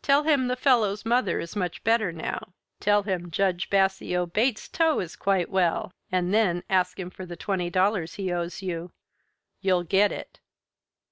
Tell him the fellow's mother is much better now. Tell him Judge Bassio Bates's toe is quite well. And then ask him for the twenty dollars he owes you. You'll get it."